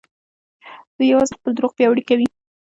دوی يوازې خپل دروغ پياوړي کوي.